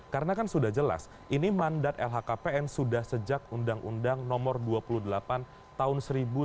karena kan sudah jelas ini mandat lhkpn sudah sejak undang undang nomor dua puluh delapan tahun seribu sembilan ratus sembilan puluh sembilan